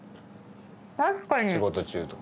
仕事中とか。